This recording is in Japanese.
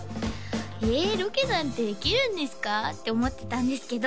「えロケなんてできるんですか？」って思ってたんですけど